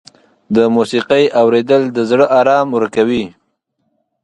د موسیقۍ اورېدل د زړه آرام ورکوي.